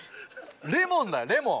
レモンだレモン。